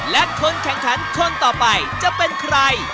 และคนแข่งขันคนต่อไปจะเป็นใคร